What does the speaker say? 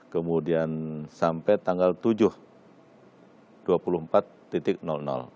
kemudian sampai tanggal tujuh